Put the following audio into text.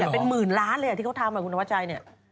เป็นหมื่นล้านเลยที่เขาทำคุณธวัชชัยเนี่ย